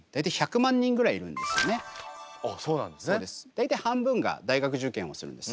大体半分が大学受験をするんです。